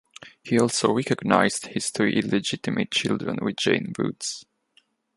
He also recognised his three illegitimate children with Jane Woods.